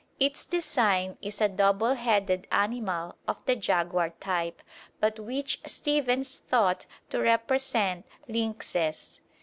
Its design is a double headed animal of the jaguar type, but which Stephens thought to represent lynxes.